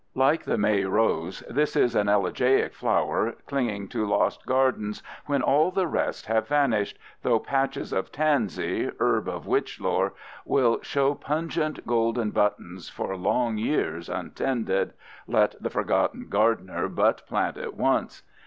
Like the May rose, this is an elegiac flower, clinging to lost gardens when all the rest have vanished, though patches of tansy, herb of witchlore, will show pungent golden buttons for long years untended, let the forgotten gardener but plant it once.